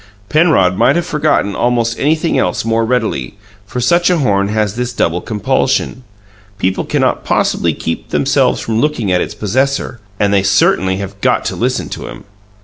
Penrod might have forgotten almost anything else more readily; for such a horn has this double compulsion: people cannot possibly keep themselves from looking at its possessor and they certainly have GOT to listen to him!